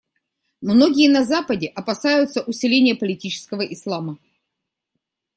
Многие на Западе опасаются усиления политического Ислама.